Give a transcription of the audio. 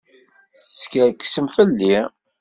Teskerksem fell-i.